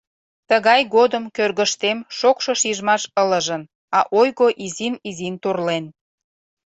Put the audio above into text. Тыгай годым кӧргыштем шокшо шижмаш ылыжын, а ойго изин-изин торлен.